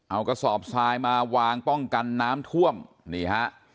เอากระสอบทรายมาวางป้องกันน้ำท่วมนี่ฮะ